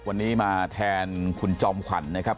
วันนี้มาแทนคุณจอมขวัญนะครับ